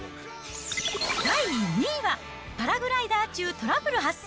第２位は、パラグライダー中、トラブル発生！